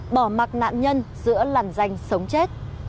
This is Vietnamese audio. bỏ mặt nạn nhân giữa làn danh sống chết